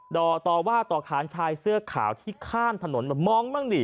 ต่อว่าต่อขานชายเสื้อขาวที่ข้ามถนนมามองบ้างดิ